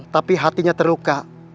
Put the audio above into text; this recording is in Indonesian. tapi hatinya terluka